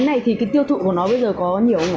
cái này thì cái tiêu thụ của nó bây giờ có nhiều không ạ